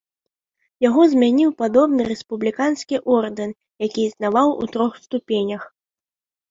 Яго змяніў падобны рэспубліканскі ордэн, які існаваў у трох ступенях.